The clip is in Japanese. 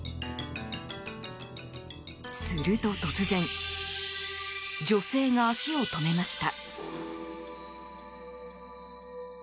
すると、突然女性が足を止めました。